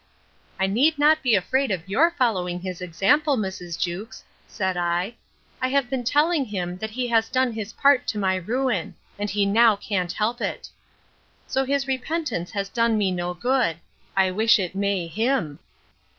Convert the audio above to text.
I need not be afraid of your following his example, Mrs. Jewkes, said I: I have been telling him, that he has done his part to my ruin: and he now can't help it! So his repentance does me no good; I wish it may him.